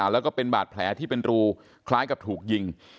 แล้วก็เป็นบาดแผลที่เป็นรูคล้ายกับถูกยิง